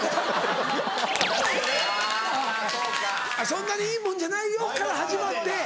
そんなにいいものじゃないよから始まって。